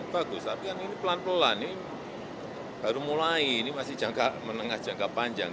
bagus tapi kan ini pelan pelan ini baru mulai ini masih jangka menengah jangka panjang